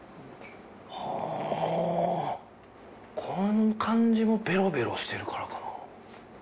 この感じもベロベロしてるからかな？